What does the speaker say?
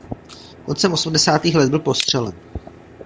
Koncem osmdesátých let byl postřelen.